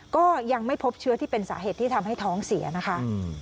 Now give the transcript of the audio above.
ก็ยังไม่พบเชื้อที่เป็นสาเหตุที่ทำให้ท้องเสียนะคะ